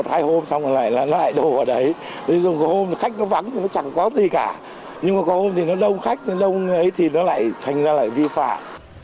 thì nó đông khách nó đông ấy thì nó lại thành ra lại vi phạm